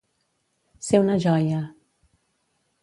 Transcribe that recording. Ser una joia.